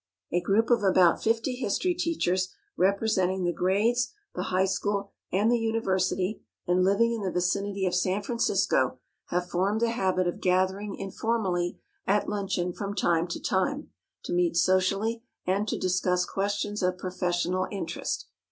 A group of about fifty history teachers, representing the grades, the high school, and the university, and living in the vicinity of San Francisco, have formed the habit of gathering informally at luncheon from time to time, to meet socially and to discuss questions of professional interest.